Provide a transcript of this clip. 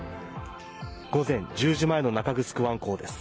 午前１０時前の中城湾港です。